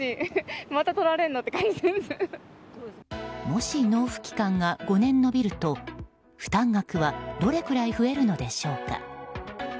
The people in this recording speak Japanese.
もし納付期間が５年延びると負担額はどれくらい増えるのでしょうか。